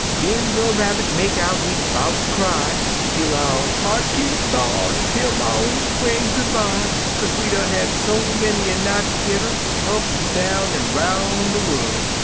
"Den Brer Rabbit make out he 'bout ter cry. He 'low, *I can't b'ar ter tell my ol' frien' good by, kaze we done had many a night tergedder, up an' down an' roun' de worl'.